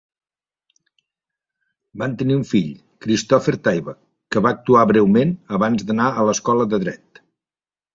Van tenir un fill, Christopher Tayback, que va actuar breument abans d'anar a l'escola de dret.